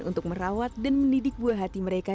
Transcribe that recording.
untuk merawat dan mendidik buah hati mereka